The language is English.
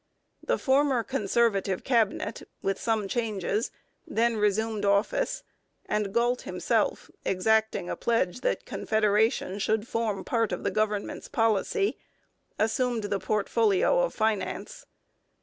The former Conservative Cabinet, with some changes, then resumed office, and Galt himself, exacting a pledge that Confederation should form part of the government's policy, assumed the portfolio of Finance.